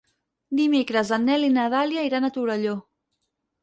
Dimecres en Nel i na Dàlia iran a Torelló.